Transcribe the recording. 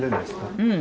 うん。